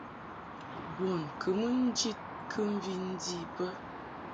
Bun kɨ mɨ ni njid kɨmvi ndi bə.